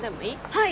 はい！